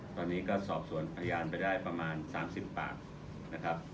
ตอนนี้ก็สอบส่วนพยานไปได้ประมาณ๓๐ปากนะครับ